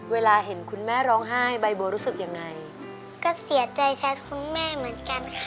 ใจแท้คุณแม่เหมือนกันค่ะ